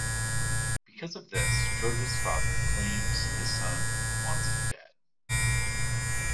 Because of this, Georg's father claims his son wants him dead.